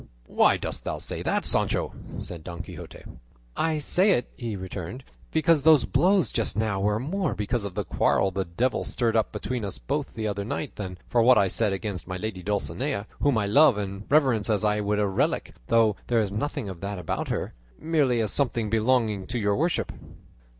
"Why dost thou say that, Sancho?" said Don Quixote. "I say it," he returned, "because those blows just now were more because of the quarrel the devil stirred up between us both the other night, than for what I said against my lady Dulcinea, whom I love and reverence as I would a relic though there is nothing of that about her merely as something belonging to your worship."